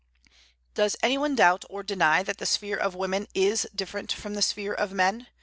Does any one doubt or deny that the sphere of women is different from the sphere of men?